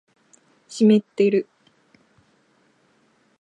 湿ってる